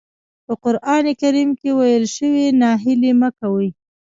په قرآن کريم کې ويل شوي ناهيلي مه کوئ.